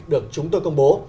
được chúng tôi công bố